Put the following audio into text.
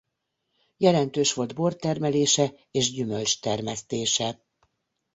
Jelentős volt bortermelése és gyümölcstermesztése.